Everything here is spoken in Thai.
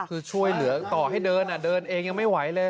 คือช่วยเหลือต่อให้เดินเดินเองยังไม่ไหวเลย